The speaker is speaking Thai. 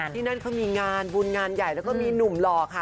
ที่นั่นเขามีงานบุญงานใหญ่แล้วก็มีหนุ่มหล่อค่ะ